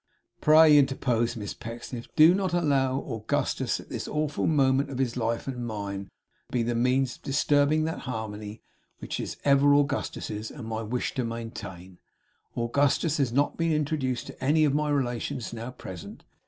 'Pray,' interposed Miss Pecksniff, 'do not allow Augustus, at this awful moment of his life and mine, to be the means of disturbing that harmony which it is ever Augustus's and my wish to maintain. Augustus has not been introduced to any of my relations now present.